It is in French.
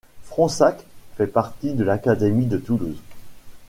Fronsac fait partie de l'académie de Toulouse.